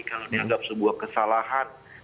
kalau dianggap sebuah kesalahan